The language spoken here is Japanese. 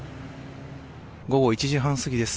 午後１時半過ぎです。